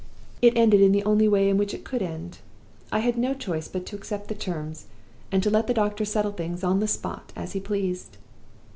"It ended in the only way in which it could end. I had no choice but to accept the terms, and to let the doctor settle things on the spot as he pleased.